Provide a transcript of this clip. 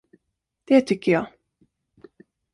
Det tycker jag.